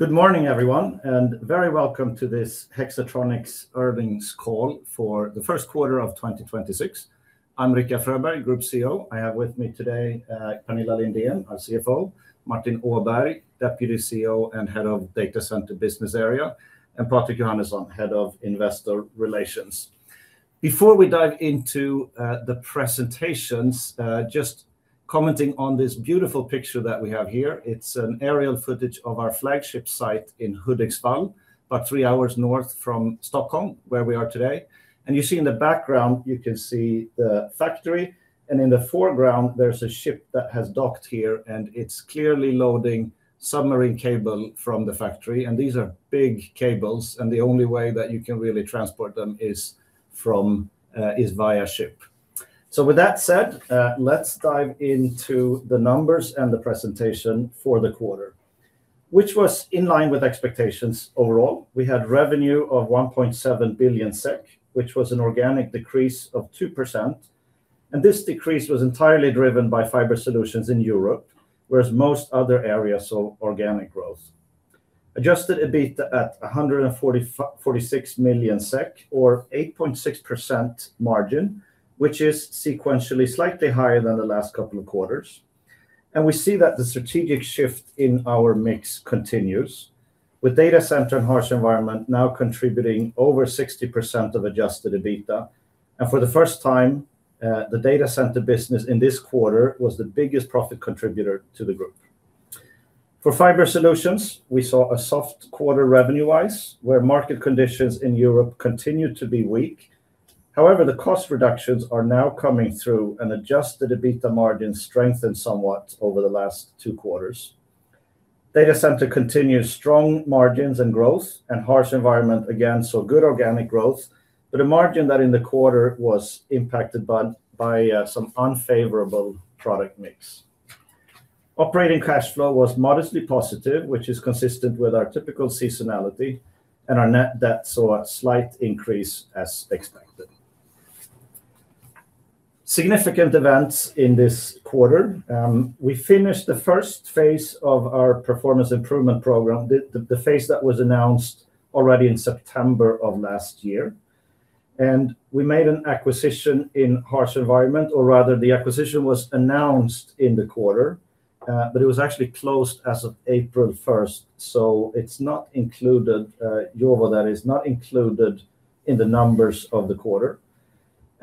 Good morning, everyone, and very welcome to this Hexatronic's Earnings Call For The First Quarter of 2026. I'm Rikard Fröberg, Group CEO. I have with me today, Pernilla Lindén, our CFO, Martin Åberg, Deputy CEO and Head of Data Center Business Area, and Patrik Johannesson, Head of Investor Relations. Before we dive into the presentations, just commenting on this beautiful picture that we have here. It's an aerial footage of our flagship site in Hudiksvall, about three hours north from Stockholm, where we are today. You see in the background, you can see the factory, and in the foreground, there's a ship that has docked here, and it's clearly loading submarine cable from the factory. These are big cables, and the only way that you can really transport them is via ship. With that said, let's dive into the numbers and the presentation for the quarter, which was in line with expectations overall. We had revenue of 1.7 billion SEK, which was an organic decrease of 2%. This decrease was entirely driven by Fiber Solutions in Europe, whereas most other areas saw organic growth. Adjusted EBITA at 145, 146 million SEK or 8.6% margin, which is sequentially slightly higher than the last couple of quarters. We see that the strategic shift in our mix continues, with Data Center and Harsh Environment now contributing over 60% of Adjusted EBITA. For the first time, the Data Center business in this quarter was the biggest profit contributor to the group. For Fiber Solutions, we saw a soft quarter revenue-wise, where market conditions in Europe continued to be weak. However, the cost reductions are now coming through, and Adjusted EBITA margin strengthened somewhat over the last two quarters. Data Center continued strong margins and growth, and Harsh Environment, again, saw good organic growth, but a margin that in the quarter was impacted by some Unfavorable Product Mix. Operating cash flow was modestly positive, which is consistent with our typical seasonality, and our net debt saw a slight increase as expected. Significant events in this quarter, we finished the first phase of our performance improvement program, the phase that was announced already in September of last year. We made an acquisition in Harsh Environment, or rather the acquisition was announced in the quarter, but it was actually closed as of April 1st. It's not included, JoWo, that is not included in the numbers of the quarter.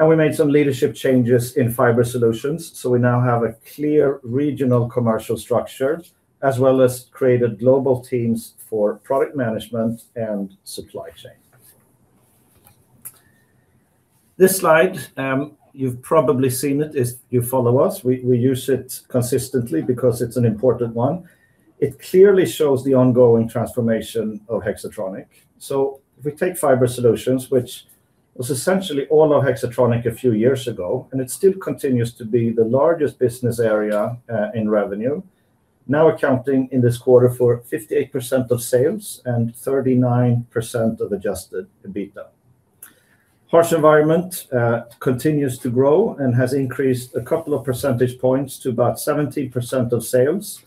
We made some leadership changes in Fiber Solutions. We now have a clear regional commercial structure, as well as created global teams for product management and supply chain. This slide, you've probably seen it if you follow us. We use it consistently because it's an important one. It clearly shows the ongoing transformation of Hexatronic. If we take Fiber Solutions, which was essentially all of Hexatronic a few years ago, and it still continues to be the largest business area, in revenue, now accounting in this quarter for 58% of sales and 39% of Adjusted EBITA. Harsh Environment continues to grow and has increased a couple of percentage points to about 17% of sales,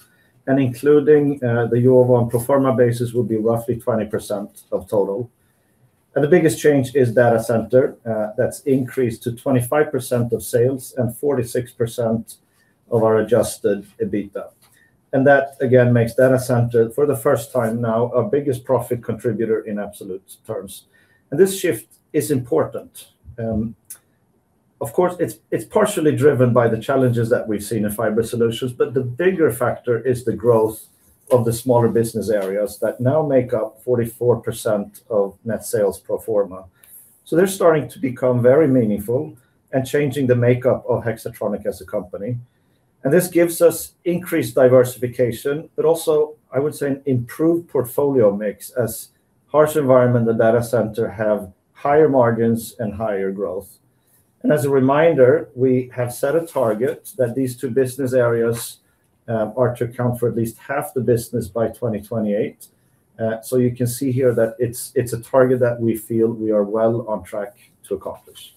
and including the JoWo on pro forma basis would be roughly 20% of total. The biggest change is Data Center. That's increased to 25% of sales and 46% of our Adjusted EBITA. That, again, makes Data Center, for the first time now, our biggest profit contributor in absolute terms. This shift is important. Of course, it's partially driven by the challenges that we've seen in Fiber Solutions, but the bigger factor is the growth of the smaller business areas that now make up 44% of net sales pro forma. They're starting to become very meaningful and changing the makeup of Hexatronic as a company. This gives us increased diversification, but also, I would say, an improved portfolio mix as Harsh Environment and Data Center have higher margins and higher growth. As a reminder, we have set a target that these two business areas are to account for at least half the business by 2028. You can see here that it's a target that we feel we are well on track to accomplish.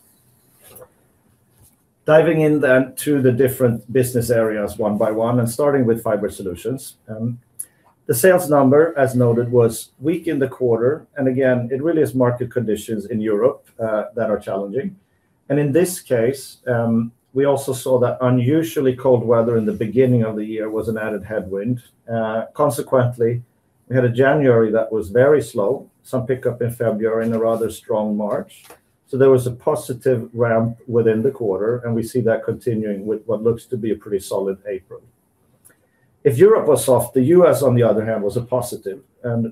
Diving in then to the different business areas one by one and starting with Fiber Solutions. The sales number, as noted, was weak in the quarter. Again, it really is market conditions in Europe that are challenging. In this case, we also saw that unusually cold weather in the beginning of the year was an added headwind. Consequently, we had a January that was very slow, some pickup in February, and a rather strong March. There was a positive ramp within the quarter, and we see that continuing with what looks to be a pretty solid April. If Europe was off, the U.S., on the other hand, was a positive.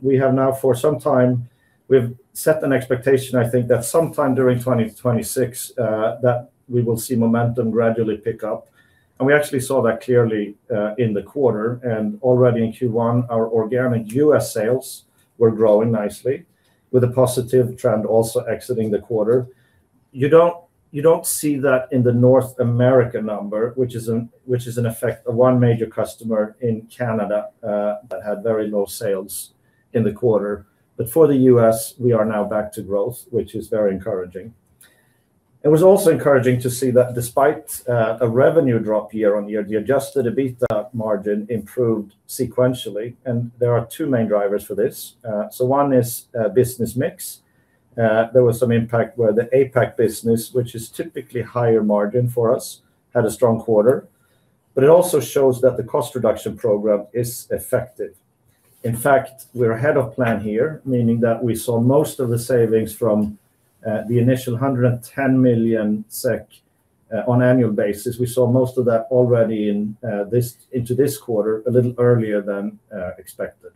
We have now, for some time, we've set an expectation, I think, that sometime during 2026, that we will see momentum gradually pick up. We actually saw that clearly in the quarter. Already in Q1, our organic U.S. sales were growing nicely with a positive trend also exiting the quarter. You don't see that in the North America number, which is an effect of one major customer in Canada, that had very low sales in the quarter. For the U.S., we are now back to growth, which is very encouraging. It was also encouraging to see that despite a revenue drop year-on-year, the Adjusted EBITDA margin improved sequentially, and there are two main drivers for this. One is business mix. There was some impact where the APAC business, which is typically higher margin for us, had a strong quarter. It also shows that the cost reduction program is effective. In fact, we're ahead of plan here, meaning that we saw most of the savings from the initial 110 million SEK on annual basis. We saw most of that already in this, into this quarter a little earlier than expected.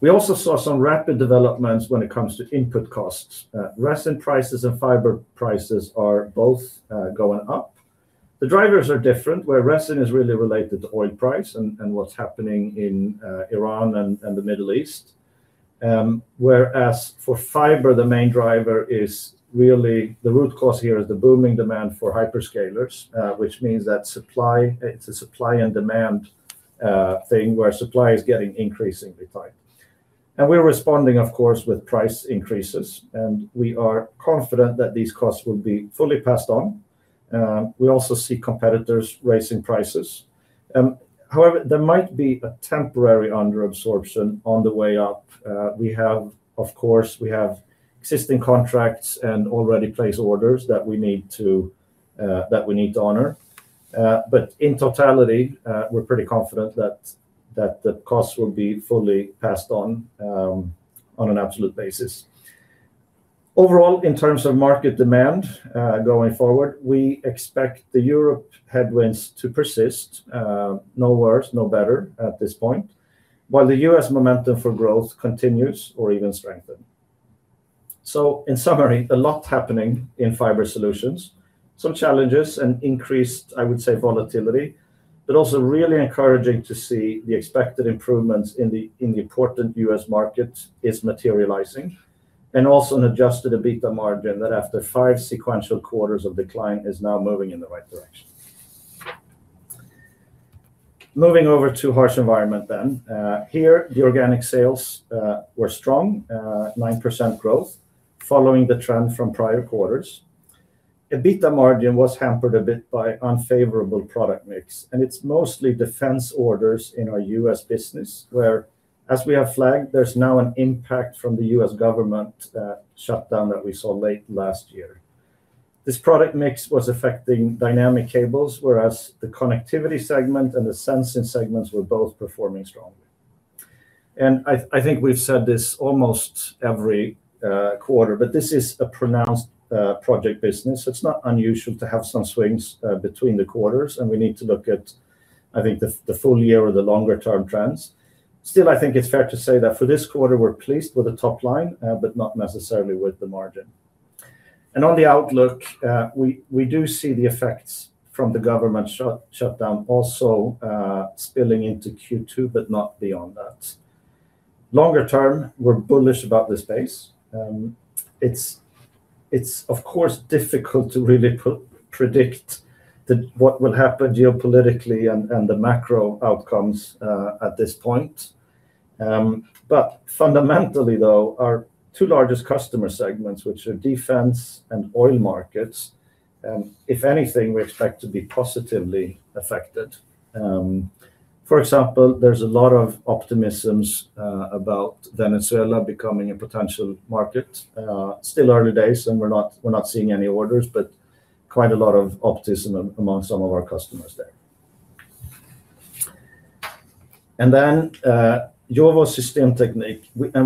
We also saw some rapid developments when it comes to input costs. Resin prices and fiber prices are both going up. The drivers are different, where resin is really related to oil price and what's happening in Iran and the Middle East. Whereas for fiber, the main driver is really the root cause here is the booming demand for hyperscalers, which means that supply, it's a supply and demand thing where supply is getting increasingly tight. We're responding, of course, with price increases, and we are confident that these costs will be fully passed on. We also see competitors raising prices. However, there might be a temporary underabsorption on the way up. We have, of course, we have existing contracts and already placed orders that we need to that we need to honor. In totality, we're pretty confident that the costs will be fully passed on on an absolute basis. Overall, in terms of market demand, going forward, we expect the Europe headwinds to persist, no worse, no better at this point, while the U.S. momentum for growth continues or even strengthen. In summary, a lot happening in Fiber Solutions. Some challenges and increased, I would say, volatility, but also really encouraging to see the expected improvements in the, in the important U.S. market is materializing, and also an Adjusted EBITDA margin that after five sequential quarters of decline is now moving in the right direction. Moving over to Harsh Environment then. Here the organic sales were strong, 9% growth following the trend from prior quarters. EBITDA margin was hampered a bit by Unfavorable Product Mix, and it's mostly defense orders in our U.S. business, where as we have flagged, there's now an impact from the U.S. government shutdown that we saw late last year. This Product Mix was affecting dynamic cables whereas the Connectivity segment and the Sensing segments were both performing strongly. I think we've said this almost every quarter, but this is a pronounced project business. It's not unusual to have some swings between the quarters, we need to look at, I think, the full year or the longer term trends. Still, I think it's fair to say that for this quarter, we're pleased with the top line but not necessarily with the margin. On the outlook, we do see the effects from the government shutdown also spilling into Q2, but not beyond that. Longer term, we're bullish about the space. It's of course difficult to really predict the what will happen geopolitically and the macro outcomes at this point. Fundamentally though, our two largest customer segments, which are defense and oil markets, if anything, we expect to be positively affected. For example, there's a lot of optimism about Venezuela becoming a potential market. Still early days. We're not seeing any orders, but quite a lot of optimism among some of our customers there. JOWO Systemtechnik.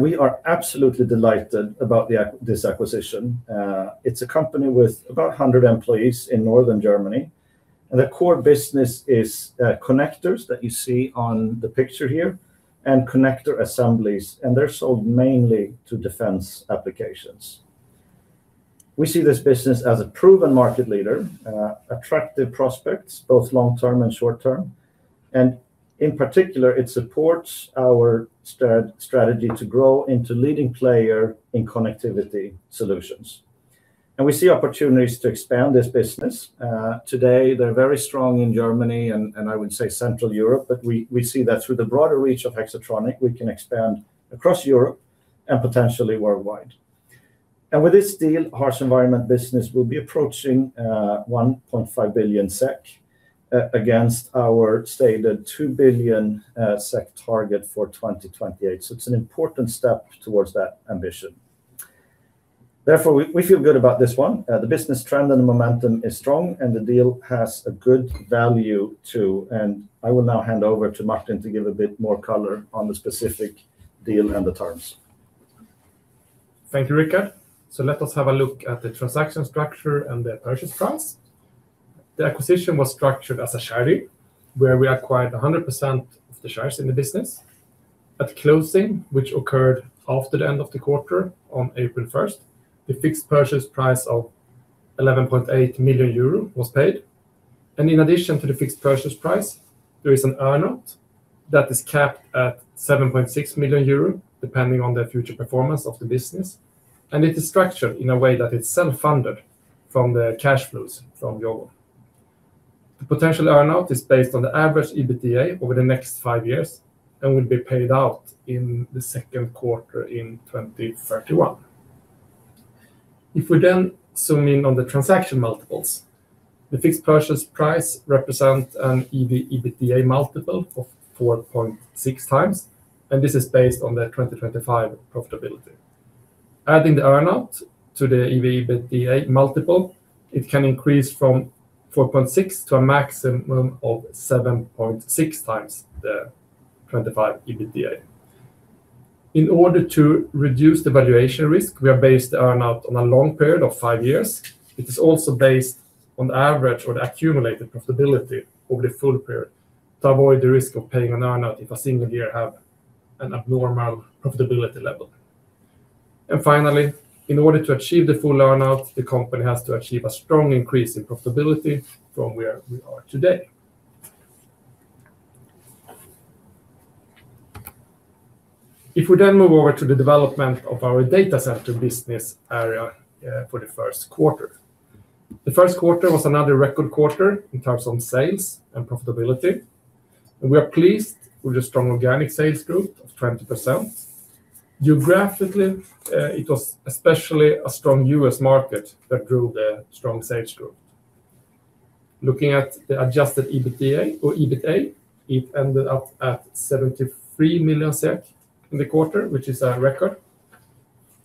We are absolutely delighted about this acquisition. It's a company with 100 employees in Northern Germany, and the core business is connectors that you see on the picture here, and connector assemblies, and they're sold mainly to defense applications. We see this business as a proven market leader, attractive prospects both long term and short term. In particular, it supports our strategy to grow into leading player in connectivity solutions. We see opportunities to expand this business. Today they're very strong in Germany and I would say Central Europe, but we see that through the broader reach of Hexatronic, we can expand across Europe and potentially worldwide. With this deal, Harsh Environment business will be approaching 1.5 billion SEK against our stated 2 billion SEK target for 2028. It's an important step towards that ambition. Therefore, we feel good about this one. The business trend and the momentum is strong. The deal has a good value too. I will now hand over to Martin to give a bit more color on the specific deal and the terms. Thank you, Rikard. Let us have a look at the transaction structure and the purchase price. The acquisition was structured as a share deal, where we acquired 100% of the shares in the business. At closing, which occurred after the end of the quarter on April 1st, the fixed purchase price of 11.8 million euro was paid. In addition to the fixed purchase price, there is an earn-out that is capped at 7.6 million euro, depending on the future performance of the business, and it is structured in a way that it's self-funded from the cash flows from JoWo. The potential earn-out is based on the average EBITDA over the next five years and will be paid out in the second quarter in 2031. If we then zoom in on the transaction multiples, the fixed purchase price represent an EV/EBITDA multiple of 4.6x. This is based on the 2025 profitability. Adding the earn-out to the EV/EBITDA multiple, it can increase from 4.6x to a maximum of 7.6x the 2025 EBITDA. In order to reduce the valuation risk, we have based the earn-out on a long period of five years. It is also based on the average or the accumulated profitability over the full period to avoid the risk of paying an earn-out if a single year have an abnormal profitability level. Finally, in order to achieve the full earn-out, the company has to achieve a strong increase in profitability from where we are today. If we then move over to the development of our Data Center business area for the first quarter. The first quarter was another record quarter in terms of sales and profitability. We are pleased with the strong organic sales growth of 20%. Geographically, it was especially a strong U.S. market that drove the strong sales growth. Looking at the Adjusted EBITDA or EBITA, it ended up at 73 million SEK in the quarter, which is a record.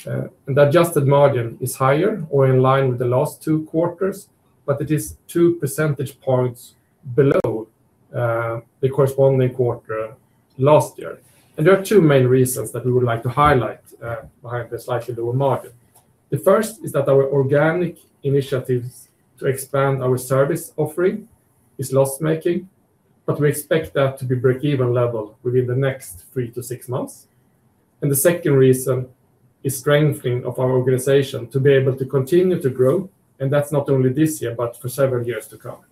The adjusted margin is higher or in line with the last two quarters, but it is two percentage points below the corresponding quarter last year. There are two main reasons that we would like to highlight behind the slightly lower margin. The first is that our organic initiatives to expand our service offering is loss-making, but we expect that to be break-even level within the next three to six months. The second reason is strengthening of our organization to be able to continue to grow, and that's not only this year, but for several years to come.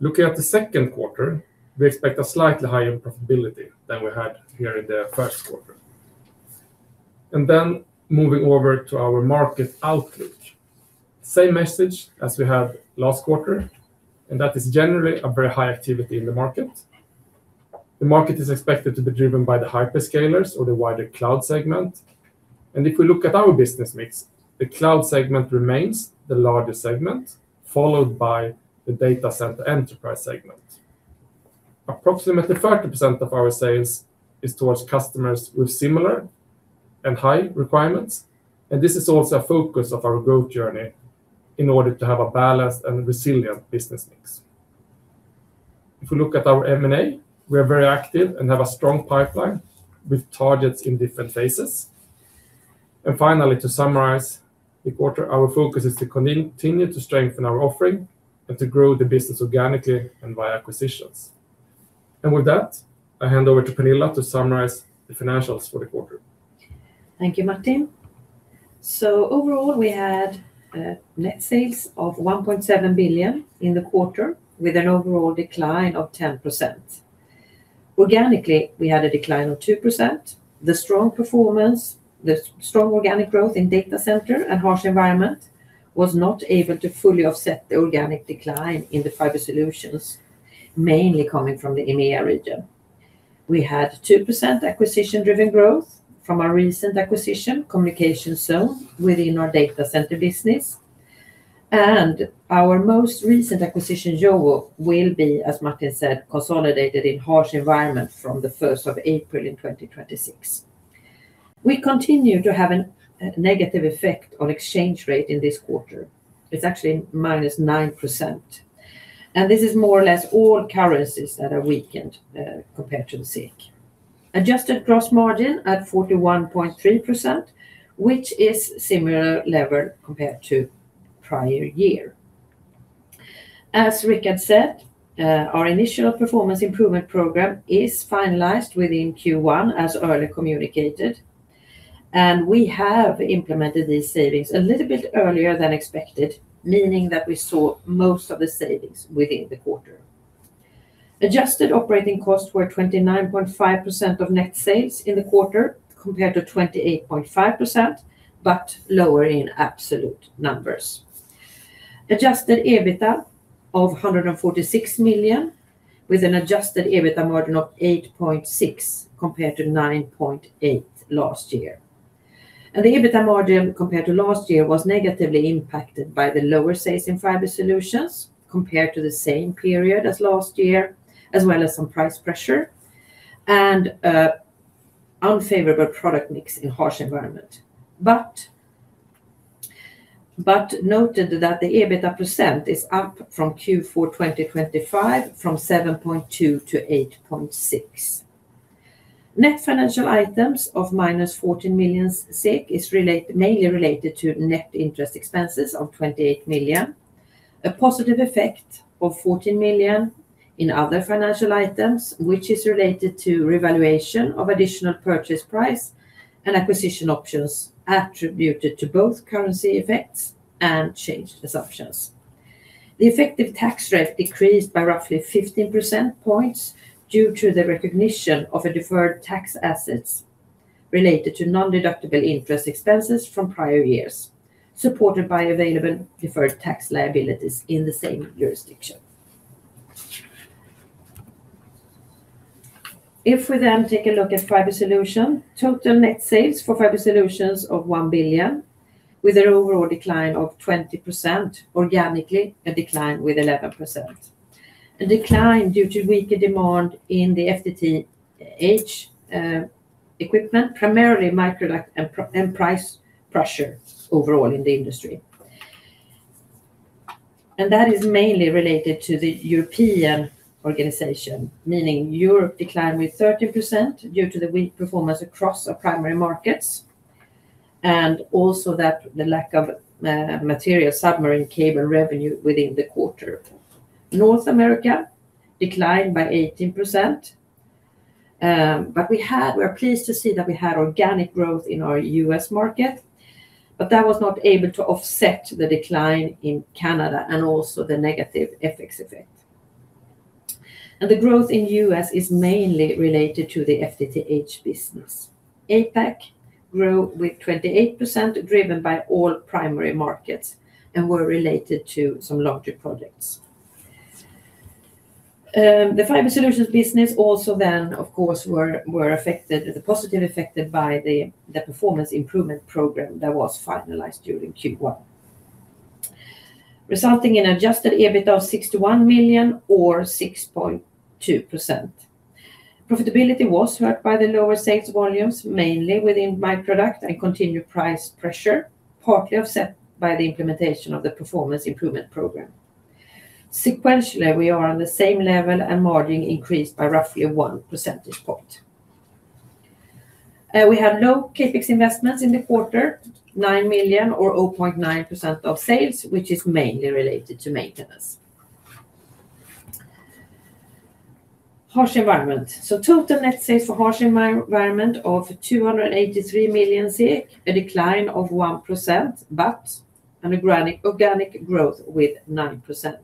Looking at the second quarter, we expect a slightly higher profitability than we had here in the first quarter. Moving over to our market outlook. Same message as we had last quarter, and that is generally a very high activity in the market. The market is expected to be driven by the hyperscalers or the wider cloud segment. If we look at our business mix, the Cloud segment remains the largest segment, followed by the Data Center enterprise segment. Approximately 30% of our sales is towards customers with similar and high requirements, and this is also a focus of our growth journey in order to have a balanced and resilient business mix. If we look at our M&A, we are very active and have a strong pipeline with targets in different phases. Finally, to summarize the quarter, our focus is to continue to strengthen our offering and to grow the business organically and via acquisitions. With that, I hand over to Pernilla to summarize the financials for the quarter. Thank you, Martin. Overall, we had net sales of 1.7 billion in the quarter with an overall decline of 10%. Organically, we had a decline of 2%. The strong organic growth in Data Center and Harsh Environment was not able to fully offset the organic decline in the Fiber Solutions, mainly coming from the EMEA region. We had 2% acquisition-driven growth from our recent acquisition, Communication Zone, within our Data Center business. Our most recent acquisition, JoWo, will be, as Martin said, consolidated in Harsh Environment from the 1st of April in 2026. We continue to have a negative effect on exchange rate in this quarter. It's actually -9%. This is more or less all currencies that are weakened compared to the SEK. Adjusted gross margin at 41.3%, which is similar level compared to prior year. As Rikard said, our initial performance improvement program is finalized within Q1, as earlier communicated. We have implemented these savings a little bit earlier than expected, meaning that we saw most of the savings within the quarter. Adjusted operating costs were 29.5% of net sales in the quarter, compared to 28.5%, but lower in absolute numbers. Adjusted EBITDA of 146 million, with an Adjusted EBITDA margin of 8.6%, compared to 9.8% last year. The EBITDA margin compared to last year was negatively impacted by the lower sales in Fiber Solutions compared to the same period as last year, as well as some price pressure and Unfavorable Product Mix in Harsh Environment. But noted that the EBITDA percent is up from Q4 2025 from 7.2% to 8.6%. Net financial items of minus 14 million is mainly related to net interest expenses of 28 million. A positive effect of 14 million in other financial items, which is related to revaluation of additional purchase price and acquisition options attributed to both currency effects and changed assumptions. The effective tax rate decreased by roughly 15 percentage points due to the recognition of a deferred tax assets related to non-deductible interest expenses from prior years, supported by available deferred tax liabilities in the same jurisdiction. If we take a look at Fiber Solutions, total net sales for Fiber Solutions of 1 billion, with an overall decline of 20%, organically a decline with 11%. A decline due to weaker demand in the FTTH equipment, primarily micro duct and price pressure overall in the industry. That is mainly related to the European organization, meaning Europe declined with 30% due to the weak performance across our primary markets, and also that the lack of material submarine cable revenue within the quarter. North America declined by 18%, but we were pleased to see that we had organic growth in our U.S. market, but that was not able to offset the decline in Canada and also the negative FX effect. The growth in U.S. is mainly related to the FTTH business. APAC grew with 28%, driven by all primary markets and were related to some larger projects. The Fiber Solutions business also, of course, were affected, positively affected by the performance improvement program that was finalized during Q1. Resulting in Adjusted EBITA of 61 million or 6.2%. Profitability was hurt by the lower sales volumes, mainly within micro duct and continued price pressure, partly offset by the implementation of the performance improvement program. Sequentially, we are on the same level and margin increased by roughly one percentage point. We have no CapEx investments in the quarter, 9 million or 0.9% of sales, which is mainly related to maintenance. Harsh Environment. Total net sales for Harsh Environment of 283 million, a decline of 1%, but an organic growth with 9%.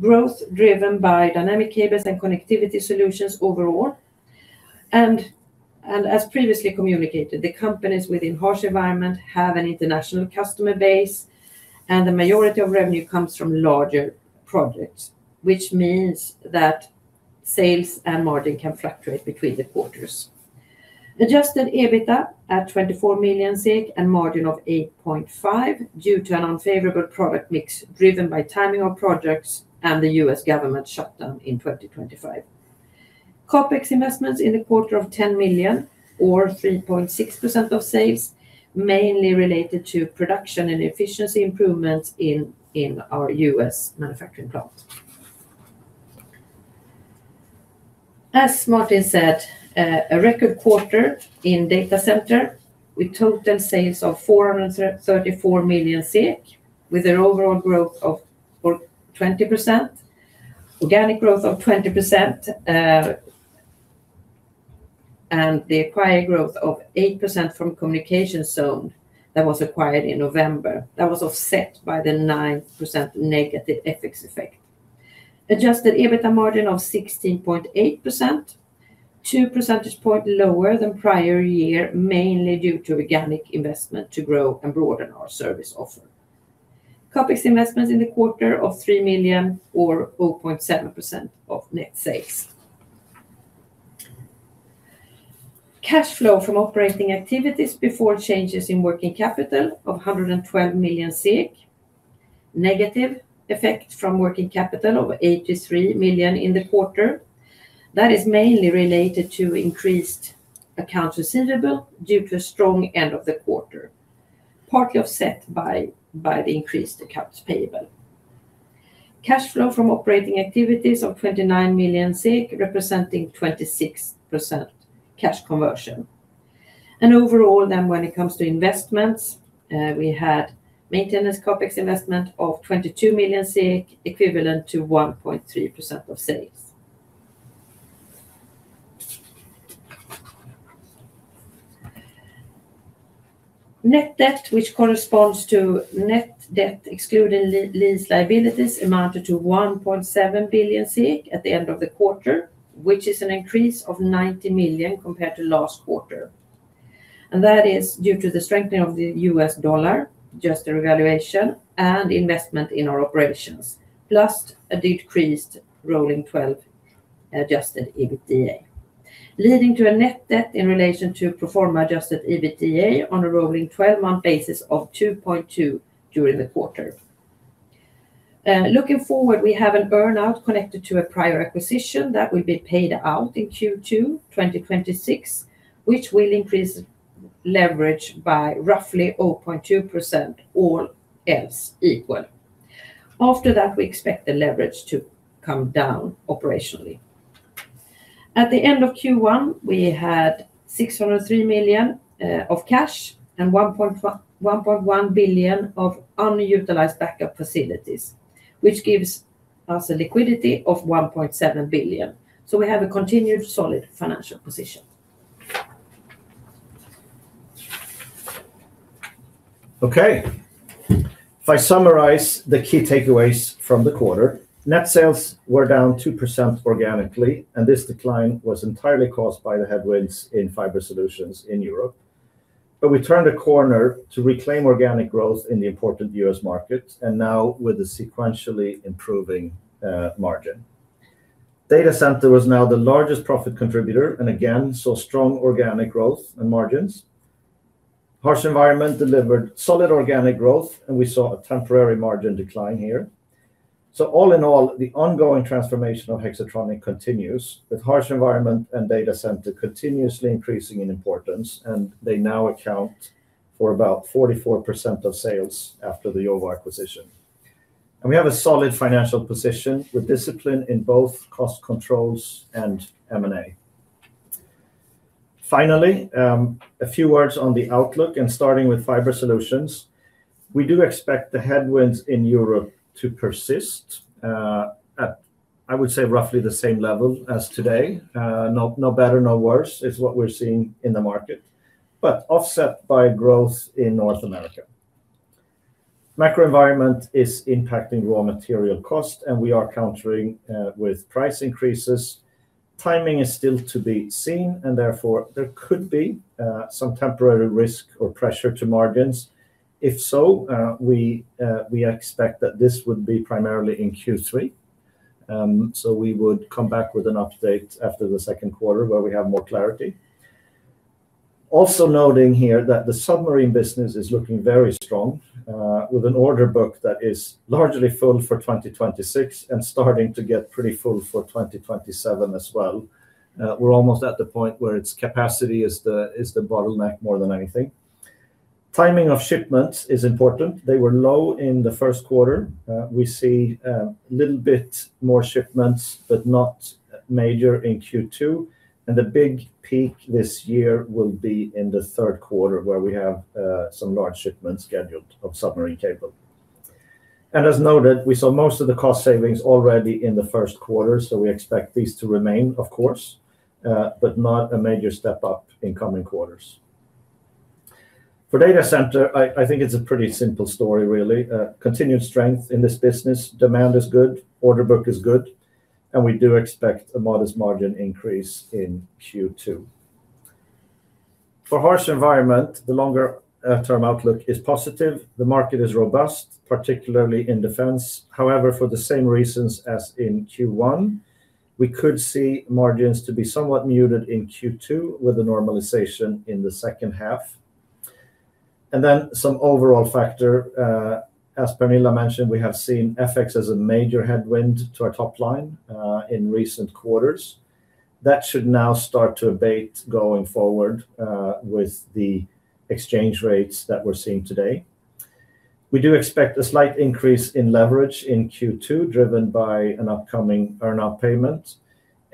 Growth driven by dynamic cables and connectivity solutions overall. As previously communicated, the companies within Harsh Environment have an international customer base, and the majority of revenue comes from larger projects, which means that sales and margin can fluctuate between the quarters. Adjusted EBITA at 24 million and margin of 8.5% due to an Unfavorable Product Mix driven by timing of projects and the U.S. government shutdown in 2025. CapEx investments in the quarter of 10 million or 3.6% of sales, mainly related to production and efficiency improvements in our U.S. manufacturing plant. As Martin said, a record quarter in Data Center with total sales of 434 million SEK with an overall growth of 20%, organic growth of 20%, and the acquired growth of 8% from Communication Zone that was acquired in November. That was offset by the 9% negative FX effect. Adjusted EBITA margin of 16.8%, two percentage points lower than prior year, mainly due to organic investment to grow and broaden our service offer. CapEx investments in the quarter of 3 million or 0.7% of net sales. Cash flow from operating activities before changes in working capital of 112 million. Negative effect from working capital of 83 million in the quarter. That is mainly related to increased accounts receivable due to a strong end of the quarter, partly offset by the increased accounts payable. Cash flow from operating activities of 29 million, representing 26% cash conversion. Overall then when it comes to investments, we had maintenance CapEx investment of 22 million, equivalent to 1.3% of sales. Net debt, which corresponds to net debt excluding lease liabilities, amounted to 1.7 billion at the end of the quarter, which is an increase of 90 million compared to last quarter. That is due to the strengthening of the US dollar, just a revaluation and investment in our operations, plus a decreased Rolling Twelve Adjusted EBITDA, leading to a net debt in relation to pro forma Adjusted EBITDA on a Rolling Twelve-Month basis of 2.2 during the quarter. Looking forward, we have an earn-out connected to a prior acquisition that will be paid out in Q2 2026, which will increase leverage by roughly 0.2%, all else equal. After that, we expect the leverage to come down operationally. At the end of Q1, we had 603 million of cash and 1.1 billion of unutilized backup facilities, which gives us a liquidity of 1.7 billion. We have a continued solid financial position. Okay. If I summarize the key takeaways from the quarter, net sales were down 2% organically, this decline was entirely caused by the headwinds in Fiber Solutions in Europe. We turned a corner to reclaim organic growth in the important U.S. market, and now with a sequentially improving margin. Data Center was now the largest profit contributor, and again, saw strong organic growth and margins. Harsh Environment delivered solid organic growth, and we saw a temporary margin decline here. All in all, the ongoing transformation of Hexatronic continues, with Harsh Environment and Data Center continuously increasing in importance, and they now account for about 44% of sales after the JoWo acquisition. We have a solid financial position, with discipline in both cost controls and M&A. Finally, a few words on the outlook and starting with Fiber Solutions. We do expect the headwinds in Europe to persist at, I would say, roughly the same level as today. No, no better, no worse is what we're seeing in the market. Offset by growth in North America. Macro environment is impacting raw material cost, and we are countering with price increases. Timing is still to be seen, and therefore there could be some temporary risk or pressure to margins. If so, we expect that this would be primarily in Q3. We would come back with an update after the second quarter where we have more clarity. Noting here that the submarine business is looking very strong with an order book that is largely full for 2026 and starting to get pretty full for 2027 as well. We're almost at the point where its capacity is the bottleneck more than anything. Timing of shipments is important. They were low in the first quarter. We see little bit more shipments, but not major in Q2. The big peak this year will be in the third quarter, where we have some large shipments scheduled of submarine cable. As noted, we saw most of the cost savings already in the first quarter, so we expect these to remain, of course, but not a major step up in coming quarters. For Data Center, I think it's a pretty simple story, really. Continued strength in this business. Demand is good, order book is good, we do expect a modest margin increase in Q2. For Harsh Environment, the longer term outlook is positive. The market is robust, particularly in defense. However, for the same reasons as in Q1, we could see margins to be somewhat muted in Q2 with the normalization in the second half. Some overall factor, as Pernilla mentioned, we have seen FX as a major headwind to our top line in recent quarters. That should now start to abate going forward with the exchange rates that we're seeing today. We do expect a slight increase in leverage in Q2, driven by an upcoming earn-out payment,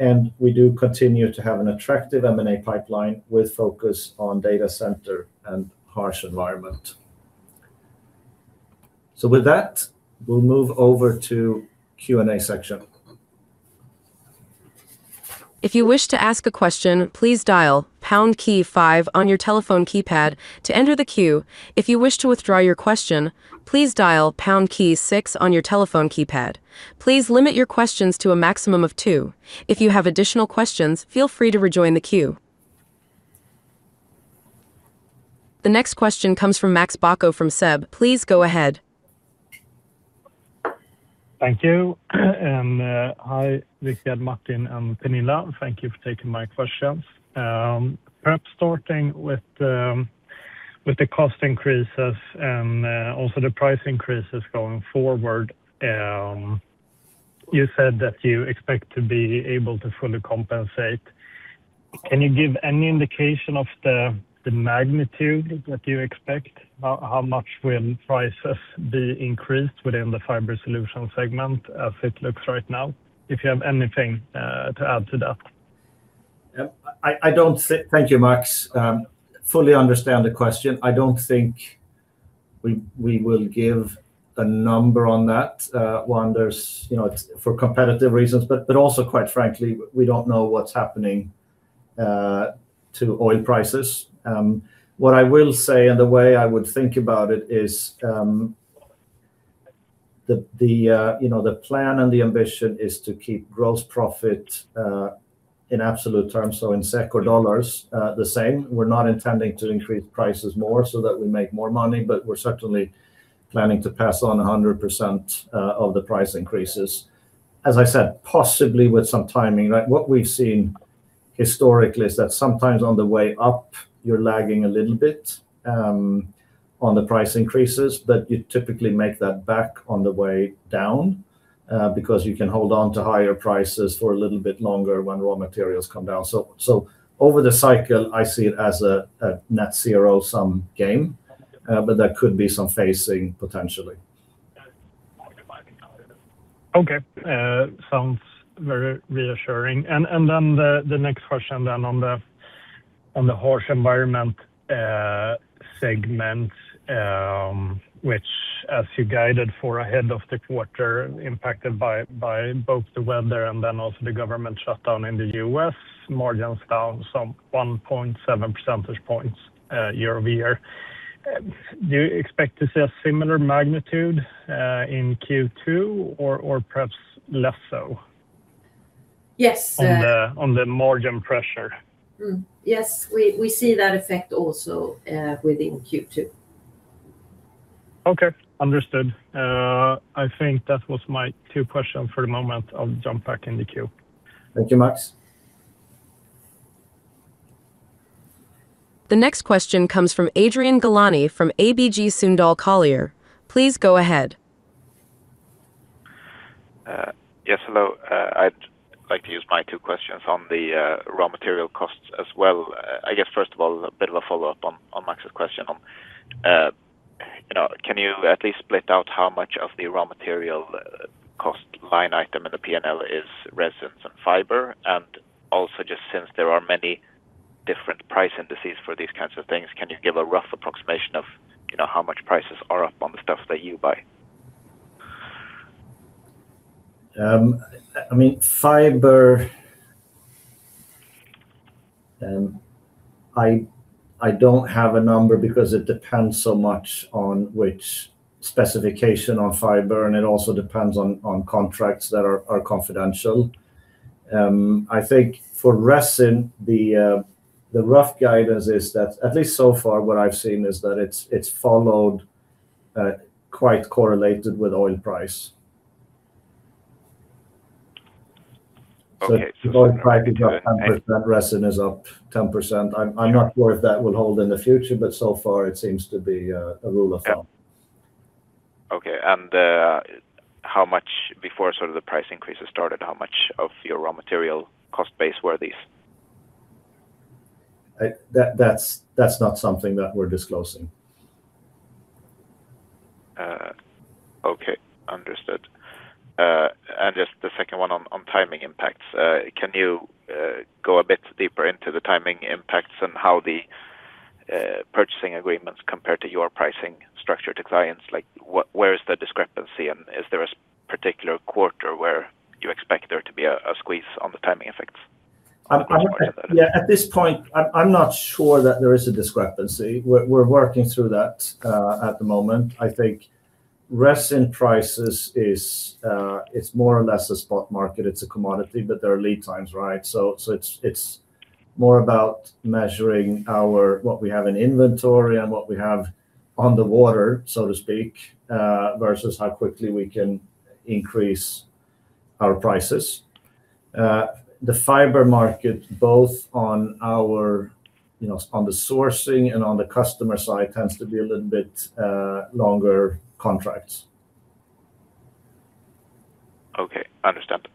and we do continue to have an attractive M&A pipeline with focus on Data Center and Harsh Environment. With that, we'll move over to Q&A section. Please limit your questions to a maximum of two. If you have additional questions, feel free to rejoin the queue. The next question comes from Max Bacco from SEB. Please go ahead. Thank you. Hi Rikard, Martin, and Pernilla. Thank you for taking my questions. Perhaps starting with the cost increases and also the price increases going forward. You said that you expect to be able to fully compensate. Can you give any indication of the magnitude that you expect? How much will prices be increased within the Fiber Solutions segment as it looks right now? If you have anything to add to that. Yep. I don't Thank you, Max. I fully understand the question. I don't think we will give a number on that. one, there's, you know, it's for competitive reasons, but also, quite frankly, we don't know what's happening to oil prices. What I will say and the way I would think about it is, the, you know, the plan and the ambition is to keep gross profit in absolute terms, so in SEK, the same. We're not intending to increase prices more so that we make more money, but we're certainly planning to pass on 100% of the price increases. As I said, possibly with some timing. Like what we've seen historically is that sometimes on the way up, you're lagging a little bit, on the price increases, but you typically make that back on the way down, because you can hold on to higher prices for a little bit longer when raw materials come down. Over the cycle, I see it as a net zero-sum game, but there could be some phasing potentially. Okay. Sounds very reassuring. The next question on the Harsh Environment segment, which, as you guided for ahead of the quarter, impacted by both the weather and also the government shutdown in the U.S., margins down some 1.7 percentage points year-over-year. Do you expect to see a similar magnitude in Q2 or perhaps less so? Yes. On the margin pressure. Yes. We see that effect also within Q2. Okay. Understood. I think that was my two question for the moment. I'll jump back in the queue. Thank you, Max. The next question comes from Adrian Gilani from ABG Sundal Collier. Please go ahead. Yes, hello. I'd like to use my two questions on the raw material costs as well. I guess first of all, a bit of a follow-up on Max's question on, you know, can you at least split out how much of the raw material cost line item in the P&L is Resins and Fiber? Also just since there are many different price indices for these kinds of things, can you give a rough approximation of, you know, how much prices are up on the stuff that you buy? I mean, Fiber, I don't have a number because it depends so much on which specification on fiber, and it also depends on contracts that are confidential. I think for Resin, the rough guidance is that at least so far what I've seen is that it's followed quite correlated with oil price. Okay. If oil price is up 10%, Resin is up 10%. I'm not sure if that will hold in the future, but so far it seems to be a rule of thumb. Okay. How much before the price increases started, how much of your raw material cost base were these? That's not something that we're disclosing. Okay. Understood. Just the second one on timing impacts. Can you go a bit deeper into the timing impacts and how the purchasing agreements compare to your pricing structure to clients? Like, where is the discrepancy, and is there a particular quarter where you expect there to be a squeeze on the timing effects at this point? I'm. Yeah, at this point, I'm not sure that there is a discrepancy. We're working through that at the moment. I think Resin prices is, it's more or less a spot market. It's a commodity, but there are lead times, right? It's more about measuring our, what we have in inventory and what we have on the water, so to speak, versus how quickly we can increase our prices. The Fiber market, both on our, you know, on the sourcing and on the customer side tends to be a little bit longer contracts. Okay. Understand.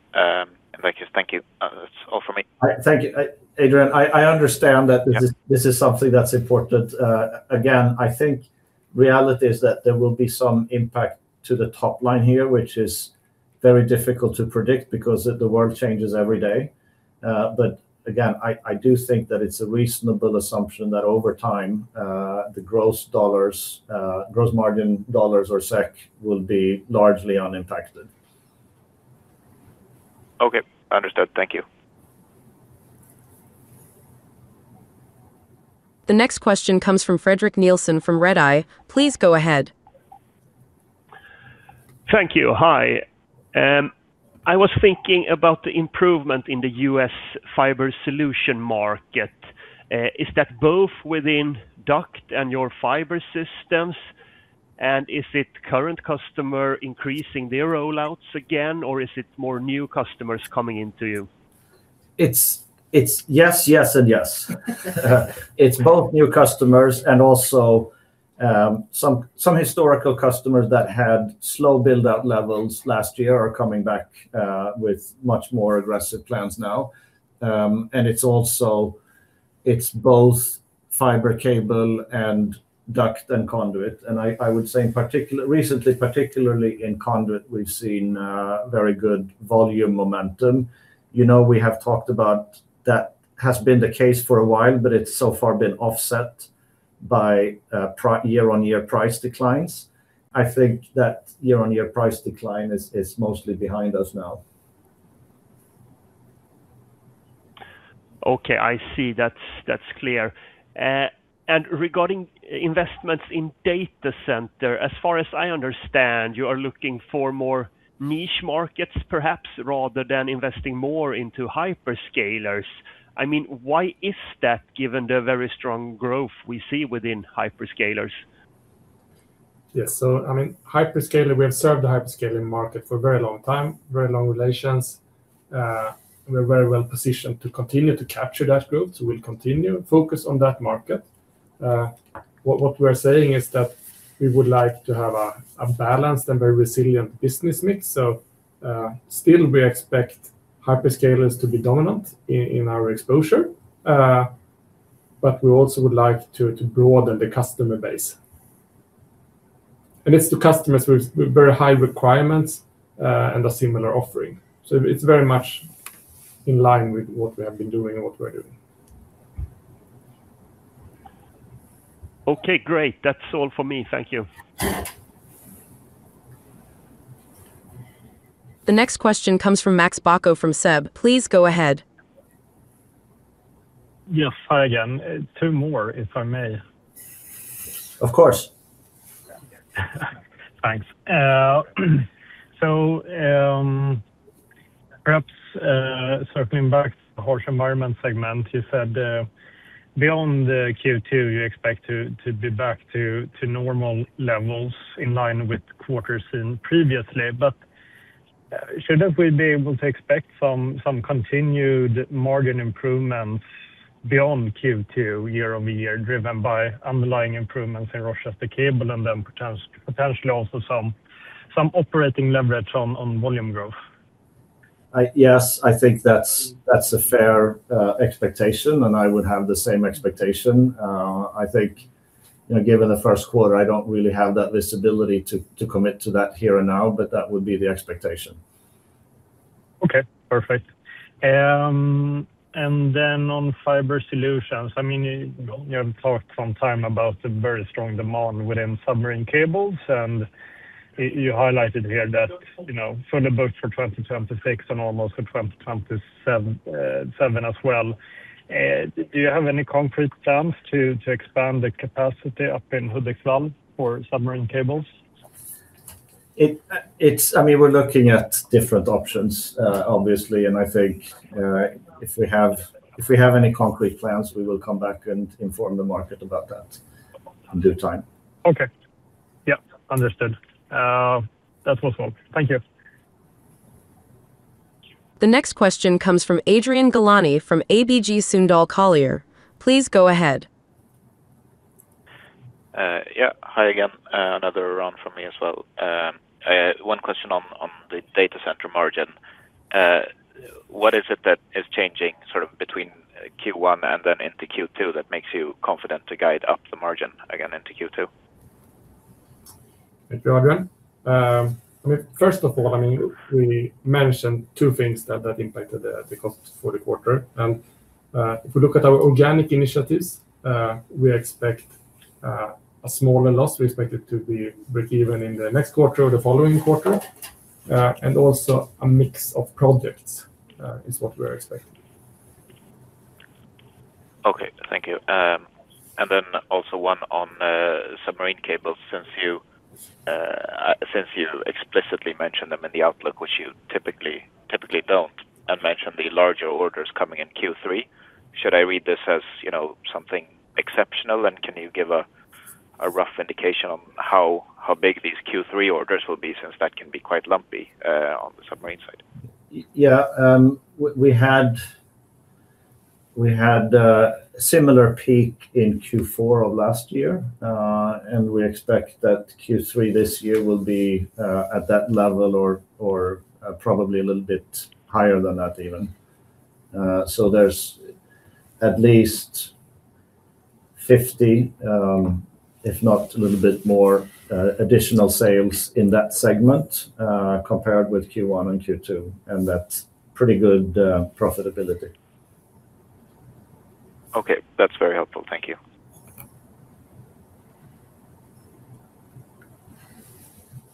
Thank you. Thank you. That's all for me. Thank you. Adrian, I understand. This is something that's important. Again, I think reality is that there will be some impact to the top line here, which is very difficult to predict because the world changes every day. Again, I do think that it's a reasonable assumption that over time, the gross dollars, gross margin dollars or SEK will be largely unimpacted. Okay. Understood. Thank you. The next question comes from Fredrik Nilsson from Redeye. Please go ahead. Thank you. Hi. I was thinking about the improvement in the U.S. Fiber solution market. Is that both within duct and your Fiber systems? Is it current customer increasing their rollouts again, or is it more new customers coming into you? It's yes, and yes. It's both new customers and also some historical customers that had slow build-out levels last year are coming back with much more aggressive plans now. It's also, it's both Fiber cable and Duct and Conduit. I would say in particular, recently, particularly in Conduit, we've seen very good volume momentum. You know, we have talked about that has been the case for a while, but it's so far been offset by year-on-year price declines. I think that year-on-year price decline is mostly behind us now. Okay. I see. That's, that's clear. Regarding investments in Data Center, as far as I understand, you are looking for more niche markets, perhaps, rather than investing more into hyperscalers. I mean, why is that, given the very strong growth we see within hyperscalers? Yes. I mean, hyperscaler, we have served the hyperscaler market for a very long time, very long relations. We're very well positioned to continue to capture that growth, so we'll continue to focus on that market. What we're saying is that we would like to have a balanced and very resilient business mix. Still we expect hyperscalers to be dominant in our exposure. We also would like to broaden the customer base. It's the customers with very high requirements and a similar offering. It's very much in line with what we have been doing and what we're doing. Okay, great. That's all for me. Thank you. The next question comes from Max Bacco from SEB. Please go ahead. Yes. Hi again. Two more, if I may. Of course. Thanks. Perhaps circling back to the Harsh Environment segment, you said beyond the Q2 you expect to be back to normal levels in line with previous quarters. Shouldn't we be able to expect some continued margin improvements beyond Q2 year-over-year driven by underlying improvements in Rochester Cable and then potentially also some operating leverage on volume growth? Yes, I think that's a fair expectation, and I would have the same expectation. I think, you know, given the first quarter, I don't really have that visibility to commit to that here and now, but that would be the expectation. Okay. Perfect. On Fiber Solutions, I mean, you have talked some time about the very strong demand within submarine cables, you highlighted here that, you know, full the books for 2026 and almost for 2027, seven as well. Do you have any concrete plans to expand the capacity up in Hudiksvall for submarine cables? It, I mean, we're looking at different options, obviously, and I think, if we have any concrete plans, we will come back and inform the market about that in due time. Okay. Yep, understood. That was all. Thank you. The next question comes from Adrian Gilani from ABG Sundal Collier. Please go ahead. Yeah. Hi again. Another round from me as well. One question on the Data Center margin. What is it that is changing sort of between Q1 and then into Q2 that makes you confident to guide up the margin again into Q2? Thank you, Adrian. I mean, first of all, I mean, we mentioned two things that impacted the cost for the quarter. If we look at our organic initiatives, we expect a smaller loss. We expect it to be breakeven in the next quarter or the following quarter. Also a mix of projects is what we're expecting. Okay. Thank you. Also one on submarine cables since you explicitly mentioned them in the outlook, which you typically don't, and mentioned the larger orders coming in Q3. Should I read this as, you know, something exceptional, and can you give a rough indication on how big these Q3 orders will be since that can be quite lumpy on the submarine side? Yeah. We had a similar peak in Q4 of last year. We expect that Q3 this year will be at that level or probably a little bit higher than that even. There's at least 50, if not a little bit more, additional sales in that segment, compared with Q1 and Q2, and that's pretty good profitability. Okay. That's very helpful. Thank you.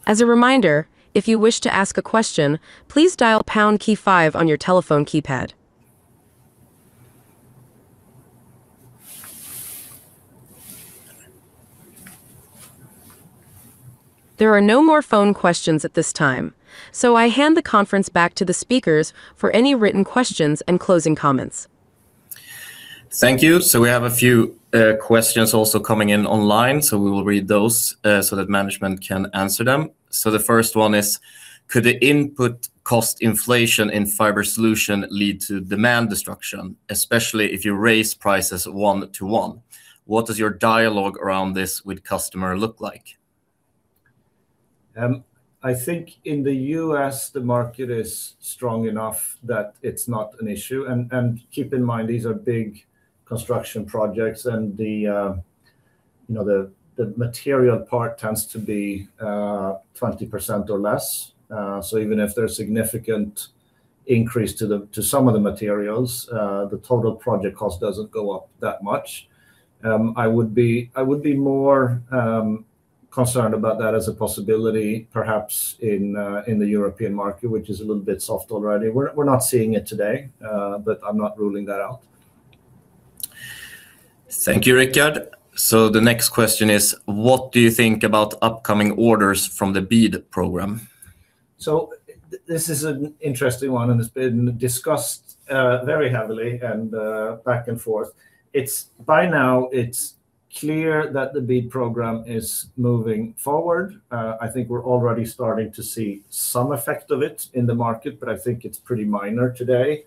As a reminder, if you wish to ask a question, please dial pound key five on your telephone keypad. There are no more phone questions at this time, so I hand the conference back to the speakers for any written questions and closing comments. Thank you. We have a few questions also coming in online, so we will read those so that management can answer them. The first one is, ''Could the input cost inflation in Fiber Solutions lead to demand destruction, especially if you raise prices one to one? What does your dialogue around this with customer look like?'' I think in the U.S. the market is strong enough that it's not an issue. Keep in mind these are big construction projects and you know, the material part tends to be 20% or less. Even if there's significant increase to some of the materials, the total project cost doesn't go up that much. I would be more concerned about that as a possibility perhaps in the European market, which is a little bit soft already. We're not seeing it today, but I'm not ruling that out. Thank you, Rikard. The next question is, what do you think about upcoming orders from the BEAD program? This is an interesting one, and it's been discussed very heavily and back and forth. By now it's clear that the BEAD program is moving forward. I think we're already starting to see some effect of it in the market, but I think it's pretty minor today.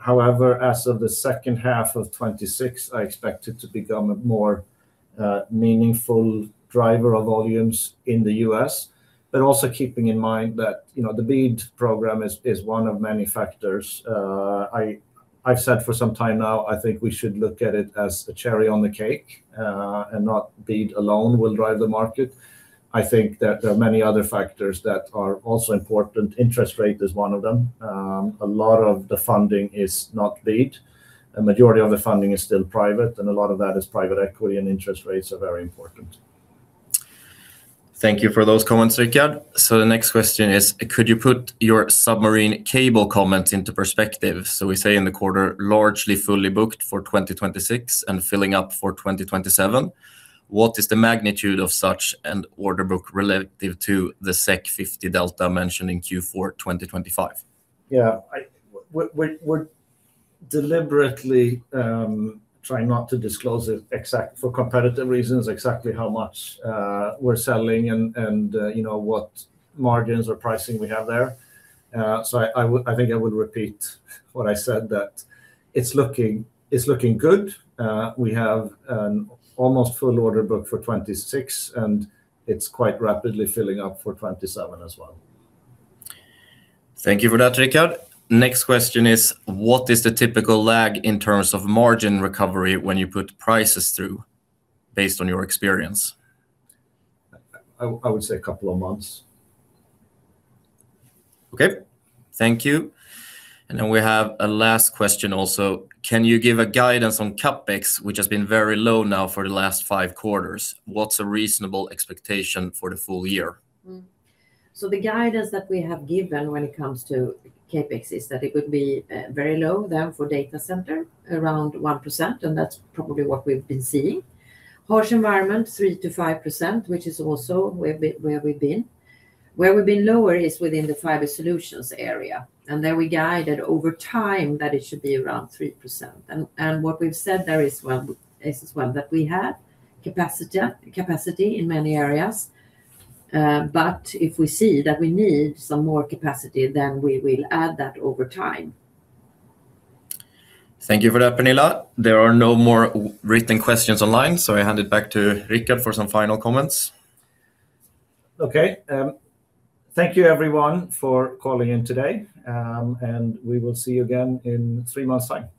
However, as of the second half of 2026, I expect it to become a more meaningful driver of volumes in the U.S. Also keeping in mind that, you know, the BEAD program is one of many factors. I've said for some time now I think we should look at it as a cherry on the cake, and not BEAD alone will drive the market. I think that there are many other factors that are also important. Interest rate is one of them. A lot of the funding is not BEAD. A majority of the funding is still private, and a lot of that is private equity, and interest rates are very important. Thank you for those comments, Rikard. The next question is, could you put your submarine cable comments into perspective? We say in the quarter largely fully booked for 2026 and filling up for 2027. What is the magnitude of such an order book relative to the 50 delta mentioned in Q4 2025? Yeah. We're deliberately trying not to disclose it for competitive reasons, exactly how much we're selling and, you know, what margins or pricing we have there. I think I would repeat what I said that it's looking good. We have an almost full order book for 2026, and it's quite rapidly filling up for 2027 as well. Thank you for that, Rikard. Next question is, what is the typical lag in terms of margin recovery when you put prices through based on your experience? I would say a couple of months. Okay. Thank you. We have a last question also. Can you give a guidance on CapEx, which has been very low now for the last five quarters? What's a reasonable expectation for the full year? The guidance that we have given when it comes to CapEx is that it would be very low for Data Center, around 1%, and that's probably what we've been seeing. Harsh Environment, 3% to 5%, which is also where we've been. Where we've been lower is within the Fiber Solutions area, there we guided over time that it should be around 3%. What we've said there is, well, is as well that we have capacity in many areas. If we see that we need some more capacity, we will add that over time. Thank you for that, Pernilla. There are no more written questions online. I hand it back to Rikard for some final comments. Okay. Thank you everyone for calling in today. We will see you again in three months' time.